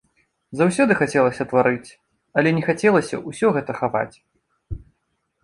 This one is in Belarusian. Заўсёды хацелася тварыць, але не хацелася ўсё гэта хаваць.